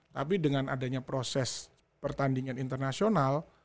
tapi dengan adanya proses pertandingan internasional